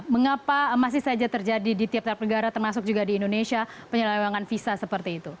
mengapa masih saja terjadi di tiap tiap negara termasuk juga di indonesia penyelewangan visa seperti itu